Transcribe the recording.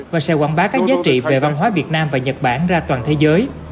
và sẽ quảng bá các giá trị về văn hóa việt nam và nhật bản ra toàn thế giới